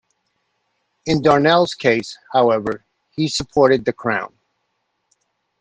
In Darnell's Case, however, he supported the Crown.